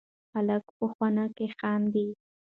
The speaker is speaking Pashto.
هلک په خونه کې خاندي.